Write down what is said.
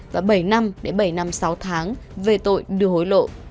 và bảy năm đến bảy năm sáu tháng về tội đưa hối lộ